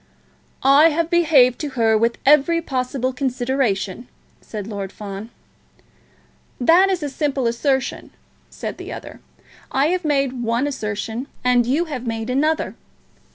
"I have behaved to her with every possible consideration," said Lord Fawn. "That is a simple assertion," said the other. "I have made one assertion, and you have made another.